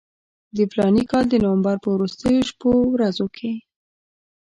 د فلاني کال د نومبر په وروستیو شپو ورځو کې.